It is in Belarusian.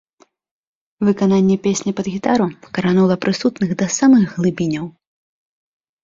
Выкананне песні пад гітару кранула прысутных да самых глыбіняў.